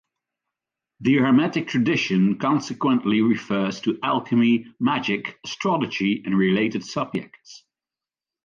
The "hermetic tradition" consequently refers to alchemy, magic, astrology, and related subjects.